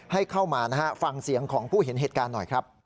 ให้เข้ามานะฮะฟังเสียงของผู้เห็นเหตุการณ์หน่อยครับ